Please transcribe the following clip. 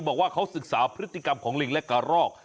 บอกว่าเขาศึกษาพฤติกรรมของลิงและกระรอก